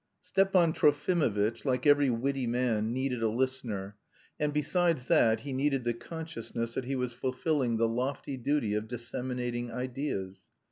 Stepan Trofimovitch, like every witty man, needed a listener, and, besides that, he needed the consciousness that he was fulfilling the lofty duty of disseminating ideas.